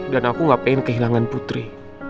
dan aku gak pengen kehilangan putri